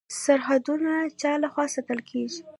سرحدونه چا لخوا ساتل کیږي؟